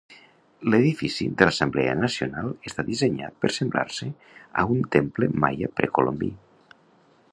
L'edifici de l'Assemblea Nacional està dissenyat per semblar-se a un temple maia precolombí.